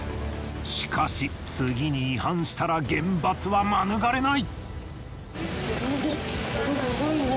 しかし次に違反したら厳罰は免れない。